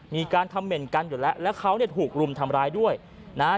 มีการคำเหม็นกันอยู่แล้วแล้วเขาเนี่ยถูกรุมทำร้ายด้วยนะฮะ